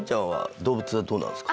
動物どうなんですか？